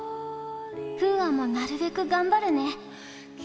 楓空もなるべく頑張るね。